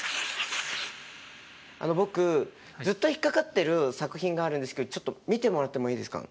僕ずっと引っ掛かってる作品があるんですけどちょっと見てもらってもいいですか？